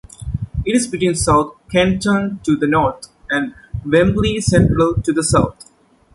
It is between South Kenton to the north, and Wembley Central to the south.